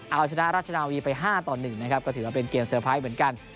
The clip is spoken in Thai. เอาชนะราชนาวีไป๕ต่อ๑นะครับก็ถือว่าเป็นเกมเตอร์ไพรส์เหมือนกัน